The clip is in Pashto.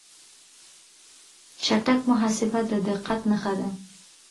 چټک محاسبه د دقت نښه ده.